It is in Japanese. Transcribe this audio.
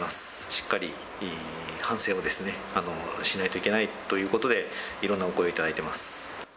しっかり反省をしないといけないということで、いろんなお声をいただいています。